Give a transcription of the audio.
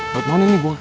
buat mana ini gua